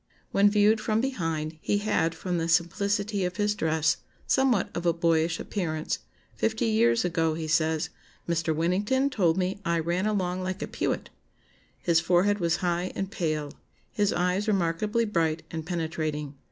When viewed from behind he had, from the simplicity of his dress, somewhat of a boyish appearance: fifty years ago, he says, 'Mr. Winnington told me I ran along like a pewet.' His forehead was high and pale. His eyes remarkably bright and penetrating.